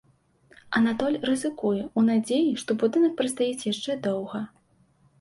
Анатоль рызыкуе ў надзеі, што будынак прастаіць яшчэ доўга.